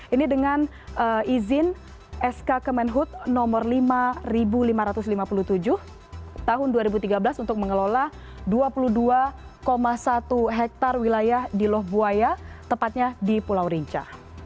ini dengan izin sk kemenhut nomor lima lima ratus lima puluh tujuh tahun dua ribu tiga belas untuk mengelola dua puluh dua satu hektare wilayah di loh buaya tepatnya di pulau rinca